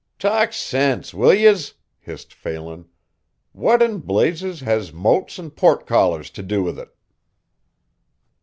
"Talk sinse, will yez?" hissed Phelan. "What in blazes has moats an' portcollars to do with it?"